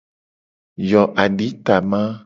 Yo aditama.